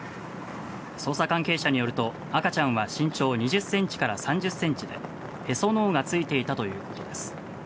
捜査関係者によると赤ちゃんは身長２０ｃｍから３０ｃｍでへその緒がついていたということです。